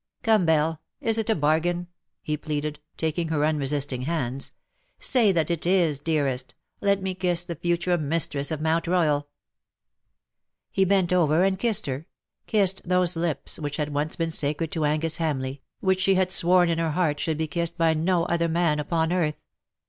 Come, Belle, is it a bargain,^^ he pleaded, taking her unresisting hands. " Say that it is, dearest. Let me kiss the future mistress of Mount Royal." He bent over her and kissed her — kissed those lips which had once been sacred to Angus Hamleigh, which she had sworn in her heart should be kissed by no other man upon earth.